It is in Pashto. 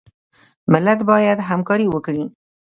ملت باید همکاري وکړي